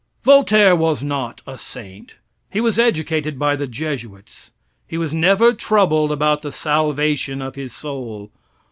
Voltaire was not a saint. He was educated by the Jesuits. He was never troubled about the salvation of his soul.